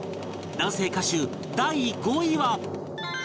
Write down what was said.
男性歌手第５位は